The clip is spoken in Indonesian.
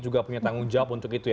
juga punya tanggung jawab untuk itu ya